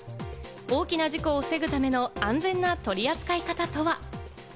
大きな事故を防ぐための安全な取り扱い方とは？